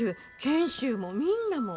賢秀もみんなも。